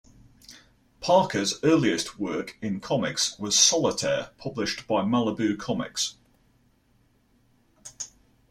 Parker's earliest work in comics was "Solitaire", published by Malibu Comics.